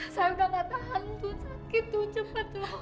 saya udah nggak tahan tuan sakit tuan cepat tuan